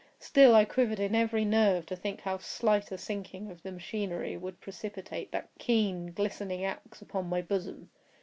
Still I quivered in every nerve to think how slight a sinking of the machinery would precipitate that keen, glistening axe upon my bosom.